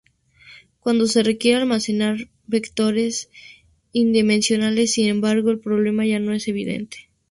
Cuando se quiere almacenar vectores n-dimensionales, sin embargo, el problema ya no es evidente.